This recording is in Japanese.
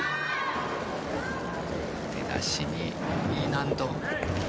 出だしにＥ難度。